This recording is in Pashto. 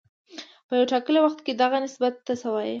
په یو ټاکلي وخت کې دغه نسبت ته څه وايي